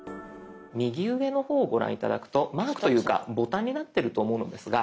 右上の方をご覧頂くとマークというかボタンになってると思うのですが。